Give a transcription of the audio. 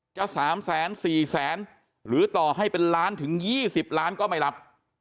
จะ๓๔แสนหรือต่อให้เป็นล้านถึง๒๐ล้านก็ไม่รับ